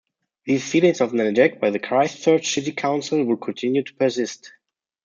These feelings of neglect by the Christchurch City Council would continue to persist.